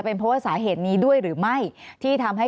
มีประวัติศาสตร์ที่สุดในประวัติศาสตร์